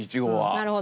なるほど。